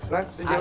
nah sejauh ini